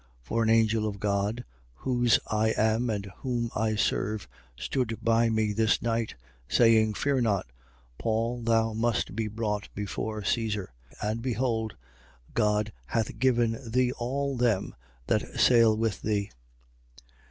27:23. For an angel of God, whose I am and whom I serve, stood by me this night, 27:24. Saying: Fear not, Paul, thou must be brought before Caesar; and behold, God hath given thee all them that sail with thee.